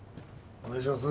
お願いします。